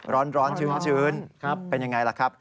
ร้อนชื้นเป็นยังไงล่ะครับ